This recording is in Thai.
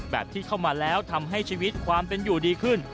ที่เข้ามาแล้วทำให้ชีวิตความเป็นอยู่ดีขึ้น